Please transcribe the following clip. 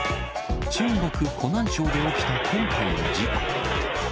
中国・湖南省で起きた今回の事故。